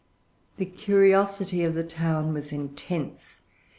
The curiosity of the town was intense.